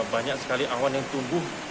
banyak sekali awan yang tumbuh